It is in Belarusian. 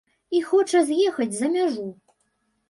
І хоча з'ехаць за мяжу.